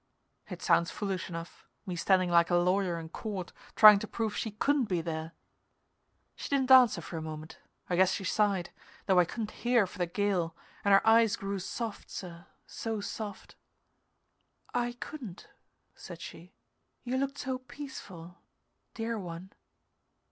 It sounds foolish enough, me standing like a lawyer in court, trying to prove she couldn't be there. She didn't answer for a moment. I guess she sighed, though I couldn't hear for the gale, and her eyes grew soft, sir, so soft. "I couldn't," said she. "You looked so peaceful dear one."